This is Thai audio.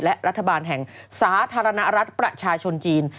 และรัฐบาลแห่งสาธารณรัฐประชาชนจีน